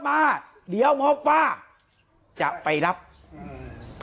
การแก้เคล็ดบางอย่างแค่นั้นเอง